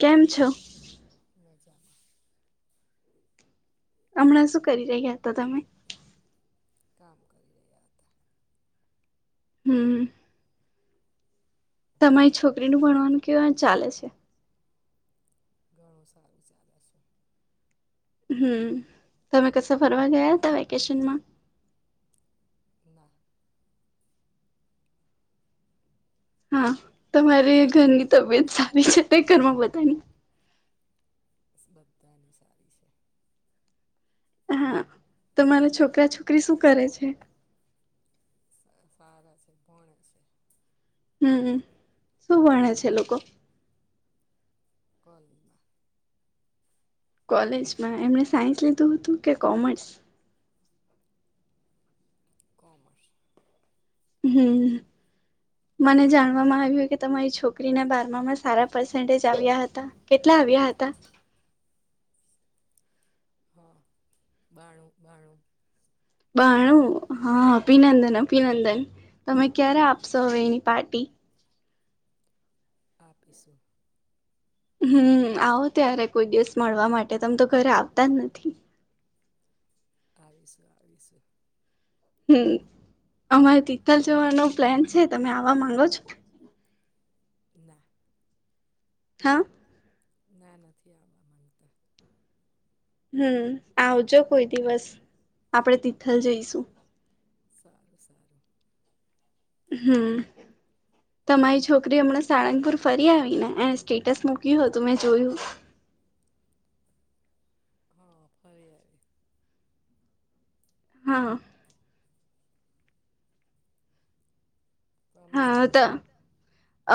કેમ છો? મજામાં. હમણાં શું કરી રહ્યા હતા તમે? કામ કરી રહ્યા હતા. હમ્મ તમારી છોકરી નું ભણવાનું કેવા ચાલે છે? ઘણું સારું ચાલે છે. હમ્મ તમે કશે ફરવા ગયા હતા વેકેશનમાં? હા, તમારી ઘરની તબિયત સારી છે તે ઘરમાં બધાની? બસ બધાની સારી છે. હા, તમારા છોકરા છોકરી શું કરે છે? પારા છે, ભણે છે. હમ્મ, શું ભણે છે એ‌ લોકો? કોલીજમાં કોલેજમાં એમણે સાયન્સ લીધું હતું કે કોમર્સ? કોમર્સ. હમ્મ મને જાણવામાં આવ્યું કે તમારી છોકરીના બારમાંમાં સારા પર્સન્ટેજ આવ્યા હતા, કેટલા આવ્યા હત તા. હા બાાણું બાાણું. બાણું હા અભિનંદન અભિનંદન તમે ક્યારે આપશો હવે એની પાર્ટી? આપીશું. હમ્મ, આવો ત્યારે કોઈ દિવસ મળવા માટે તમ તો ઘરે આવતા જ નથી. આવીશું આવીશું. હમ્મ, અમારે તિથલ જવાનો પ્લાન છે તમે આવવા માંગો છો? ના. હા! ના નથી આવવા માંગતા હમ્મ, આવજો કોઈ દિવસ આપણેે તિથલ જઈશું. સારું સારું હમ્મ તમારી છોકરી હમણાં સાળંગપુર ફરી આવી ને, એને સ્ટેટસ મૂક્યું હતું મેં જોયું. [inaudible] હા ફરી આવી હા હા તો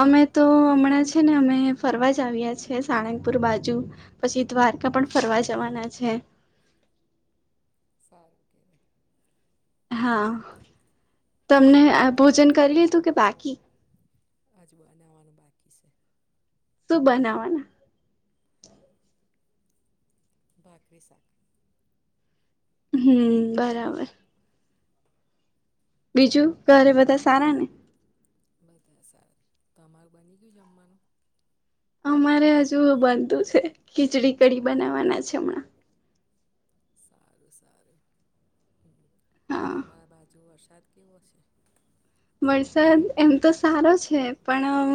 અમે તો હમણાં છે ને અમે ફરવા જ આવ્યા છે, સાણંગપુર બાજુ, પછી દ્વારકા પણ ફરવા જવાના છે. [inaudible] સારું કેવાય હા. તમને અ ભોજન કરી લીધુ કે બાકી? બાકી છે. શું બનાવાના? ભાખરી શાક હમ્મ, બરાબર બીજું ઘરે બધા સારા ને? બધા સારું, તમારું બની ગયું જમવાનું? અમારે હજુ બનતું છે ખીચડી કડી બનાવાના છે હમણાં. સારું સારું હ, તમારા બાજુ વરસાદ કેવો સે? વરસાદ એમ તો સારો છે પણ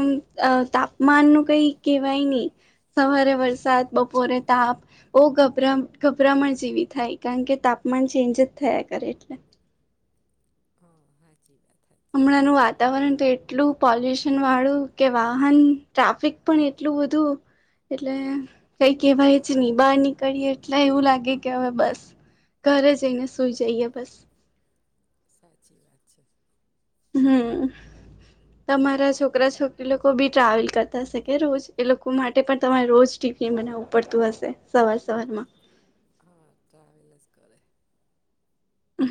તાપ માન ન કઈ કેહેવાય નહી, સવારે વરસાદ બપોરે તાપ. બહ ગરા ગભરામણ જેવી થાય કારણ કે તાપમાન ચેન્જ જ થયા કરે એટલે. હ સાાચી વાત. હમણાં નું વાતાવરણ તો એટલું પોલ્યુશન વાળું કે વાહન ટ્રાફિક પણ એટલું એટલું બધું, એટલે કઈ કેવાય જ ની બા કરીએ એટલે એવું લાગે કે હવે બસ, ઘરે જઈને સુઈ જઈએ બસ. સાચી વાત છે. હમ, તમારા જ છોકરા છોકરી બી ટ્રાવેલ કરતા શકે રોજ એ લોકો માટે પણ તમારે રોજ ટીફન બનાવવું પડતું હસે સવાર સવારમાં. હા ટ્રાવેલ જ કરે.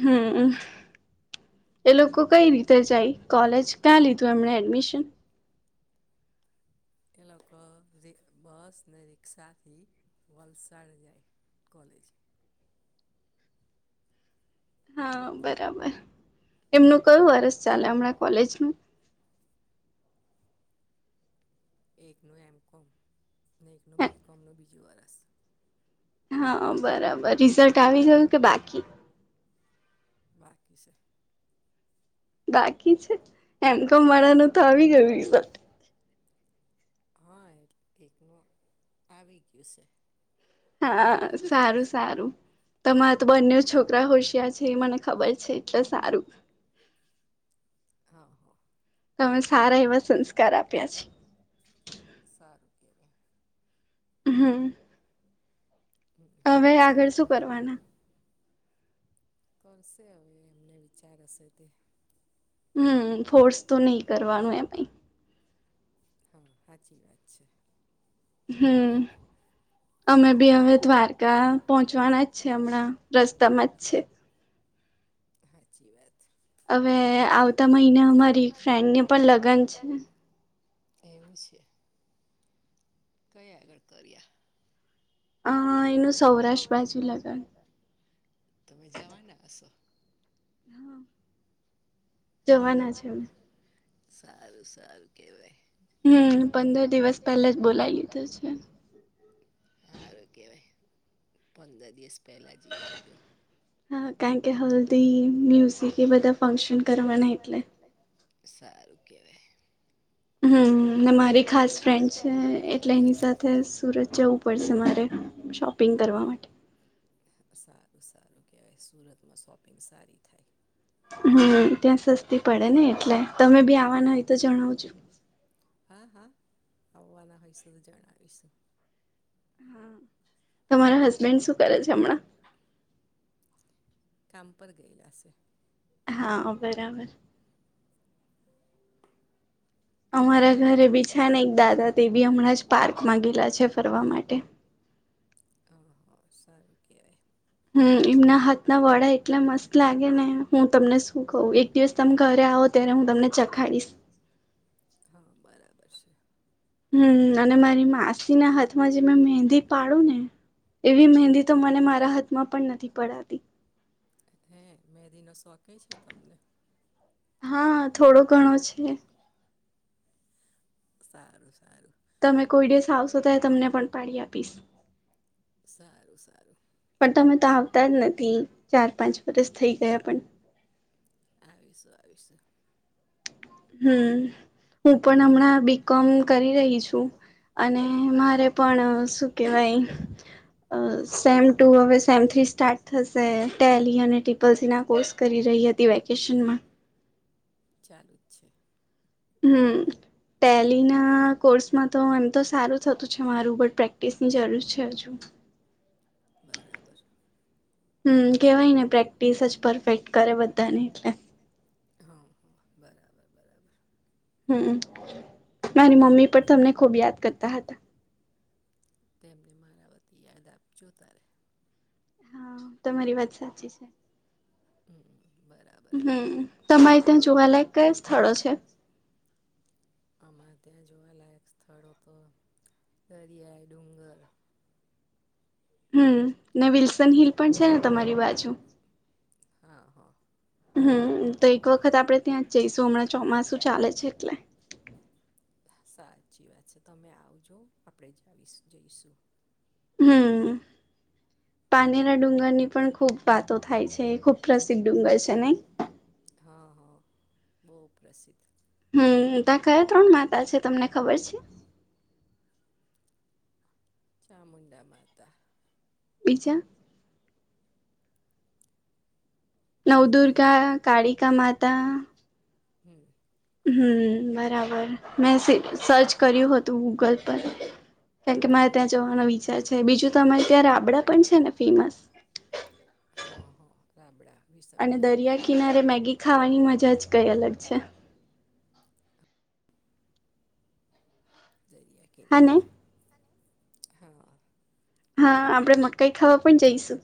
હમ. એ લોકો કઈ રીતે જાય કોલેજ ક્યાં લીધું એમણે એડમિશન? [inaudible] એ લોકો બસ ને રિકષાથી વલસાડ જાય. કોલેજ. [inaudible] હા બરાબર, એમનું કયું વર્સ ચાલે હમણાં કોલેજનું? [inaudible] એકનું એમ કોમ અને એકનું બી કોમનું બીજું વરસ. હા બરાબર રિઝલ્ટ આવી ગયું કે બાકી? બાકી છે. બાકી છે, એમ કોમ વાળાનું તો આવી ગયું રિઝલ્ટ. હા એક એક ન આવી ગયું છે. હા સારું સારું. તમારે તો બંને છોકરા હોશિયા છે એ મને ખબર છે એટલે સારું. અમે સારા એવા સંસ્કાર આપ્યા છે. [inaudible] હમ. હવે આગળ શું કરવાના? કરશે હવે એમને વિચાર હશે તે. હમ ફોર્સ તો નહી કરવાનું એમ. હા સાચી વાત છે. હમ. અમે બી હવે દ્વારકા પહોંચવાના જ છે હમણાં રસ્તામાં જ છે. સાચી વાત. હવે આવતા મહિને અમારી ફ્રેન્ડને પણ લગ્ન છે. એવું છે કયા આગળ કર્યા? અ એનું સૌરાષ્ટ્ર બાજુ લગન. તમે જવાના હશો. જવાના છેને. સારું સારું કેવાય. હમ પંદર દિવસ પહેલા જ બોલાવી લીધું છે. સારું કેવાય પંદર દિવસ. પહેલેથી આવાનું. સારું કેવાય. હમ ને મારી ખાસ ફ્રેન્ડ છે એટલે એની સાથે સુરત. જવું પડશે મારે શોપિંગ કરવા માટે. સારું સારું કહેવાય સુરતમાં શોપિંગ સારી થાય. હમ ત્યાં સસ્તી પડે ને એટલે તમે બી આવા ન હોય તો જણાવજો. હા હા આવવાના હોય શધ જણાવીશું. તમારા હસબેન્ડ શું કરે છે હમણાં. કમપ પર ગય લશે. હા બરાબર અમારા ઘરે બી છે ને એક દાદા તે બી હમણાં જ પાર્કમાં ગેલા છે ફરવા માટે. સારું કવાય. હમ એમના હાથના વડા એટલા મસ્ત લાગે ને હું તમને શું કઉું એક દિવસ તમે ઘરે. આવ તેને હું તમને ચખાડીશ. બરાબર છે. હમ અને મારી માસી ના હાથમાં જે મેં મહેંદી પાડું ને. એવી મહેંદી તો મને મારા હાથમાં પણ નથી પડાતી. હે મે દ ન શો. હા થોડો ઘણો છે. સારું. તમે કોઈ ડેેશ આવશો તો તમને પણ પાડી આપીશ. સારું સારું. પણ તમે તો આવતા જ નથી ચાર પાંચ વરસ થઈ ગયા પણ. આવીશું આવીશ. હમ હું પણ હમણાં બીકોમ કરી રહી છું. અને મારે પણ શું કેહેવાય. અ સેમ ટુ હવે સેમ થ્રી સ્ટાર્ટ થશે ટેલી અને ટ્રિપલસીી ના કોર્સ કરી રહે. વેકેશનમાં. ચાલુ જ છે. હમ. પહેલી ના કોર્સમાં તો એમ તો સારું થતું છે મારું બટ પ્રેક્ટિસ ની જરૂર છે હજુ. [inaudible] બર [inaudible] [inaudible] હમ કેહેવાય નને પ્રેક્ટિસ જ પરફેક્ટ કરે બધાને એટલે. હ બરાબર બરાબર. હમ મારી મમ્મી પણ તમને ખુબ યાદ કરતા હતા. તેમને મારા વતી યાદ આપ જોતા રહે. હા તમારી વાત સાચી છે. હમ. હમ તમારે ત્યાં જોવાલાયક કયા સ્થળો છે. આમાં. ત્યાં જોવાલાયક સ્થળ હતો દરિયાઈ ડુંગર. હમ ને વિલ્સન હિલ પણ છે ને તમારી બાજુ. હા હા. હમ તો એક વખત આપણે ત્યાં જ જઈશું હમણાં ચોમાસું ચાલે છે એટલે. સાચી વાત છે તમે આવજો આપણે જ આવીશ જઈશું. હમ. પાનેરા ડુંગરની પણ ખુબ વાતો થાય છે ખુબ પ્રસિદ્ધ ડુંગર છે નહી. હ. હ, હા બહુ પ્રસિદ્ધ હમ, ત્યાં કયા ત્રણ માતા છે, તમને ખબર છે. ચામુંડા, માતા જા નવદુર્ગા, કાળિકા માતા હમ હમ્મ, બરાબર મેં સર્ચ કર્યું હતું, ગૂગલ પર કારણ કે મારે ત્યાં જવાનો વિચાર છે, બીજું તો અરે ત્યાં રાબડા પણ છેને, ફેમસ અને દરિયા કિનારે મેગી ખાવાની મજા જ કઈ, અલગ છે. હ દરિયા કિનારે, હા હા, આપણેે મકાઈ, ખાવા પણ જઈશુ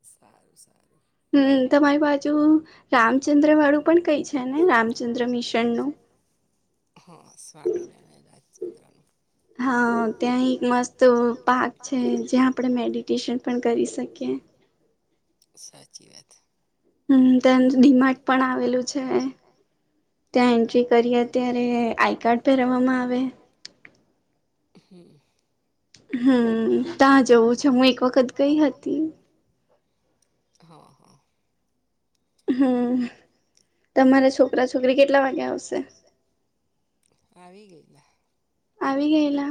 સારુ, સારુ હમ્મ, તમારી બાજુ રામચંદ્ર વાળું પણ કઈ છે, ને રામચંદ્ર મિશનનું [inaudible] હા, સ્વામિનારાયણ રાજચંદ્ર ન હા, ત્યાં એક મસ્ત પાાર્ક છે. જ્યા, આપણે મેડિટેશન પણ કરી શકીએ સાચી, વાત હમ તે ડીમાટ પણ આવેલું છે. ત્યાં એન્ટ્રી કરીએ, ત્યારે આઈકાર્ડ પહેરવામાં આવે હમ હમ, ત્યાં જવું છે, હું એક વખત ગઈ હતી. હા, હા હમ, તમારે છોકરા, છોકરી કેટલા વાગે આવશે હ, આવી ગઈલા આવી, ગયેલા,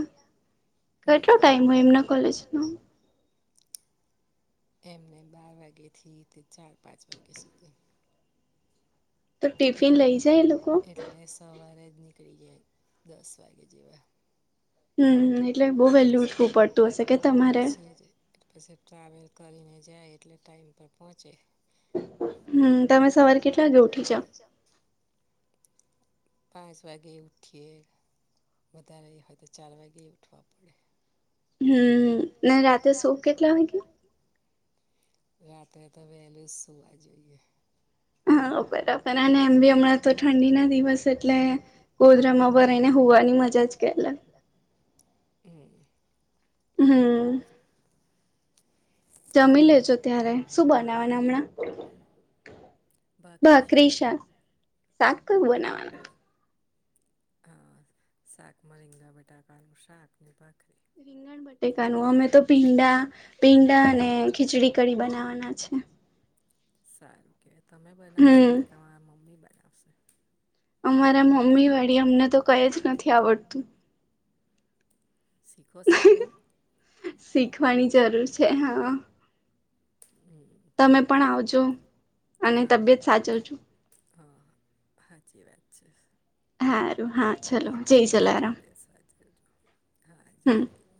કેટલો ટાઈમ હોય એમના કોલેજ નો એમને, બાર વાગ્યાથી તે ચાર પાંચ વાગ્યા સુધી એટલે, સવારે જની ફરી, દસ વાગે જેવા પી પછી, ટ્રાવેલ કરીને જાય, એટલે ટાઈમ પર પહોંચે હમ, તમે સવારે કેટલા વાગે ઉઠી, જા પાંચ વાગે ઉઠીએ, વધારે હોય. તો ચાર વાગે ગ ઉઠવા, પડે હમ, અને રાતે સૂપ કેટલા વાે રાત્રે, તો વહેલું જ સુવા જોઈએ, આ બરાબર, એમ બી હમણા, તો ઠંડી ના દિવસ એટલે ગોધરા માં ભરાઈ ને હોવાની મજા, જ કલા હમ્મ જમી, લેજો ત્યારે શું બનાવાના હમણા બક્રીશ, સાક કયું બનાવાનુ હ, શાકમાં રીંગા, બટાકાનું શાક ને પાક રીંગણ, બટ કનુંમે તો પીંડા પીંડા, અને ખીચડી ક બનાવાના છે. સારુ, કે તમે બનાવશો કે તમારા મમ્મી અમારા મમ્મી વાડી અમને તો કઈ જ નથી. આવડતું શીખો, શીખો શીખવાની જરૂર છે, હા તમે પણ આવજો અને તબિયત સાચવ જો. [inaudible] હારું હા. તો તમે બે જણાએ સાચવજો હા જય.